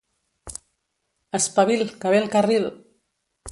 Espavil, que ve el carril!